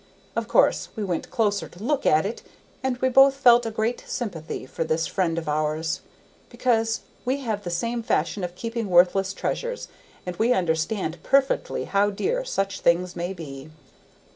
Of course we went closer to look at it, and we both felt a great sympathy for this friend of ours, because we have the same fashion of keeping worthless treasures, and we understood perfectly how dear such things may be.